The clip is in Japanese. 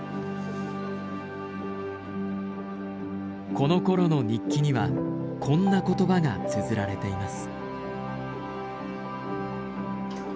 このころの日記にはこんな言葉がつづられています。